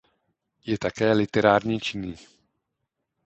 Je také literárně činný.